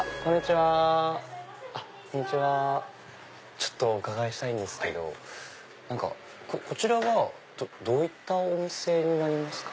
ちょっとお伺いしたいんですけどこちらはどういったお店になりますか？